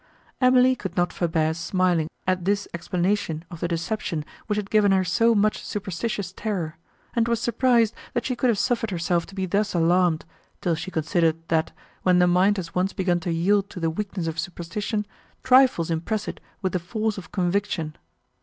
Emily could not forbear smiling at this explanation of the deception, which had given her so much superstitious terror, and was surprised, that she could have suffered herself to be thus alarmed, till she considered, that, when the mind has once begun to yield to the weakness of superstition, trifles impress it with the force of conviction.